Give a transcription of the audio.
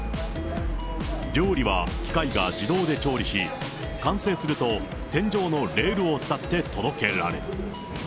料理は機械が自動で調理し、完成すると、天井のレールを伝って届けられる。